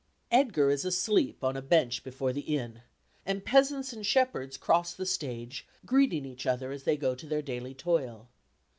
Edgar is asleep on a bench before the inn, and peasants and shepherds cross the stage, greeting each other as they go to their daily toil.